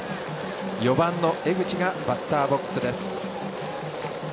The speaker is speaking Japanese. ４番の江口がバッターボックス。